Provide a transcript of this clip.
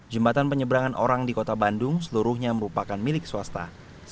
jembatan penyeberangan orang di kota bandung seluruhnya merupakan milik suatu perusahaan yang berkualitas